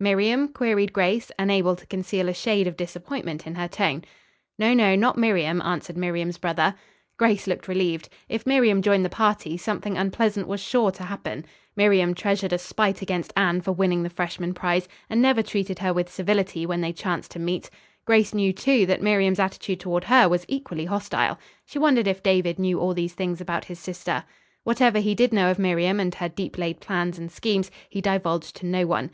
"Miriam?" queried Grace, unable to conceal a shade of disappointment in her tone. "No, no; not Miriam," answered Miriam's brother. Grace looked relieved. If Miriam joined the party, something unpleasant was sure to happen. Miriam treasured a spite against Anne for winning the freshman prize, and never treated her with civility when they chanced to meet. Grace knew, too, that Miriam's attitude toward her was equally hostile. She wondered if David knew all these things about his sister. Whatever he did know of Miriam and her deep laid plans and schemes, he divulged to no one.